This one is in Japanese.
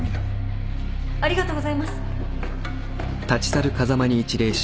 ありがとうございます。